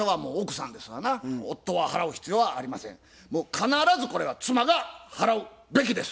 必ずこれは妻が払うべきです。